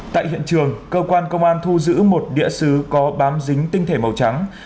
tại hiện trường cơ quan công an thu giữ một địa sứ có bám dính tinh thể màu trắng